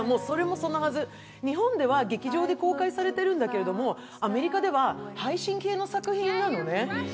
それもそのはず、日本では劇場で公開されてるんだけど、アメリカでは配信系の作品なのね。